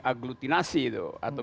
agglutinasi itu atau